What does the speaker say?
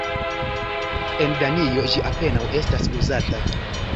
En Danio ĝi apenaŭ estas uzata.